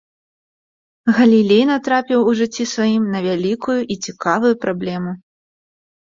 Галілей натрапіў у жыцці сваім на вялікую і цікавую праблему.